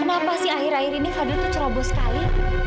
kenapa sih akhir akhir ini fadil tuh cerobos sekali